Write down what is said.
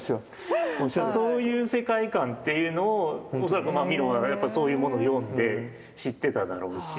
そういう世界観っていうのを恐らくミロはそういうものを読んで知ってただろうし。